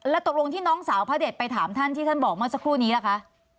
แล้วตกลงที่น้องสาวพระเด็ดไปถามท่านที่ท่านบอกเมื่อสักครู่นี้ล่ะคะ